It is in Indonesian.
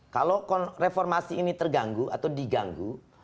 kalau reformasi ini terganggu atau diganggu